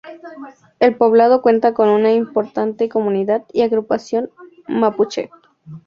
El poblado cuenta con una importante comunidad y agrupación mapuche.